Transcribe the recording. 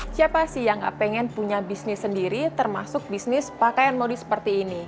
siapa sih yang gak pengen punya bisnis sendiri termasuk bisnis pakaian modis seperti ini